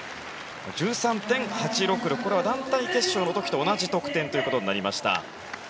これは団体決勝の時と同じ得点となりました。